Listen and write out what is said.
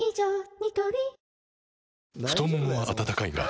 ニトリ太ももは温かいがあ！